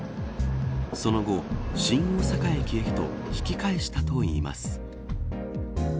その後、新大阪駅へと引き返したといいます。